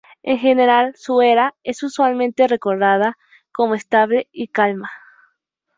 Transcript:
En general, su "era" es usualmente recordada como estable y calma.